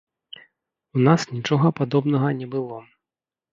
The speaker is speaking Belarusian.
У нас нічога падобнага не было.